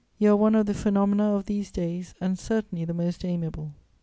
You are one of the phenomena of these days, and certainly the most amiable.